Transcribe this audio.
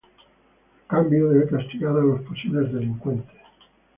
A cambio, debe castigar a los posibles delincuentes.